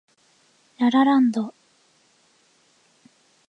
ラ・ラ・ランド